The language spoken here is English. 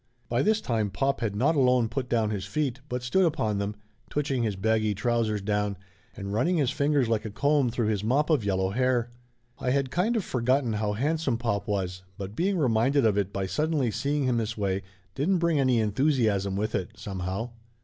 By this time pop had not alone put down his feet but stood upon them, twitching his baggy trousers down, and running his fingers like a comb through his mop of yellow hair. I had kind of forgotten how handsome pop was, but being reminded of it by sud denly seeing him this way didn't bring any enthusiasm with it, somehow.